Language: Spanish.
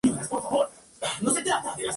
Ocupaba la posición de defensa central.